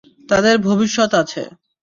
তাদের ভবিষ্যৎ আছে।